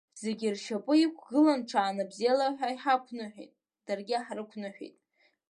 Зегьы ршьапы иқәгыланы ҽаанбзиала ҳәа иҳақәныҳәеит, даргьы ҳрықәныҳәеит.